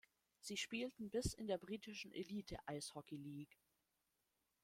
Sie spielten bis in der britischen Elite Ice Hockey League.